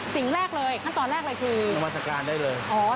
สิ่งแรกเลยขั้นตอนแรกเลยคือนมัศกาลได้เลย